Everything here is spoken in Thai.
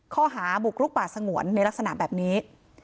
ข้อหาบุกรุกป่าสงวนในลักษณะแบบนี้